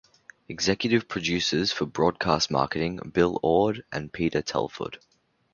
Executive Producers for Broadcast Marketing, Bill Orde and Peter Telford.